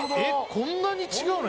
こんなに違うの？